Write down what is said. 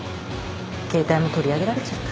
携帯も取り上げられちゃった。